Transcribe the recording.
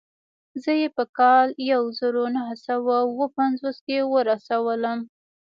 زه يې په کال يو زر و نهه سوه اووه پنځوس کې ورسولم.